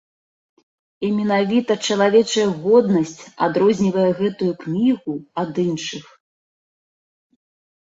І менавіта чалавечая годнасць адрознівае гэтую кнігу ад іншых.